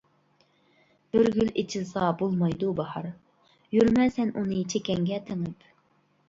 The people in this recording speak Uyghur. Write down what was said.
بىر گۈل ئېچىلسا بولمايدۇ باھار، يۈرمە سەن ئۇنى چېكەڭگە تېڭىپ.